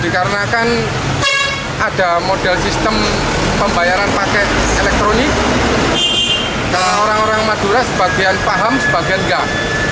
karena kan ada model sistem pembayaran pakai elektronik kalau orang orang madura sebagian paham sebagian enggak